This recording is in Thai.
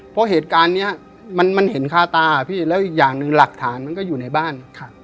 เพราะเหตุการณ์นี้มันเห็นคาตาพี่แล้วอีกอย่างหนึ่งหลักฐานมันก็อยู่ในบ้าน